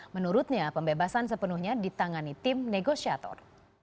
menurutnya pembebasan sepenuhnya ditangani tim negosiator